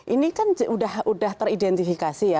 ini kan sudah teridentifikasi ya